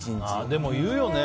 でも言うよね。